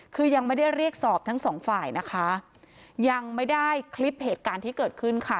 คือยังไม่ได้เรียกสอบทั้งสองฝ่ายนะคะยังไม่ได้คลิปเหตุการณ์ที่เกิดขึ้นค่ะ